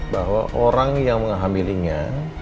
bahwa orang yang menghamilinya